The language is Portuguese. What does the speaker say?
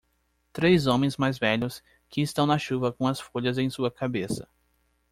Três homens mais velhos que estão na chuva com as folhas em sua cabeça.